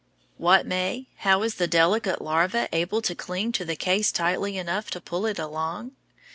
What, May? How is the delicate larva able to cling to the case tightly enough to pull it along?